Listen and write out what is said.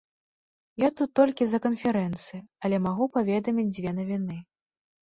Я тут толькі з-за канферэнцыі, але магу паведаміць дзве навіны.